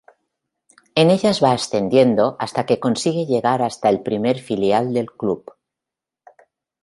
En ellas va ascendiendo hasta que consigue llegar hasta el primer filial del club.